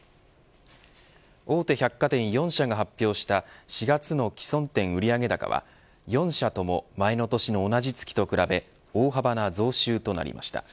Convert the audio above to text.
大手百貨店４社が発表した４月の既存店売上高は４社とも前の年の同じ月と比べ大幅な増収となりました。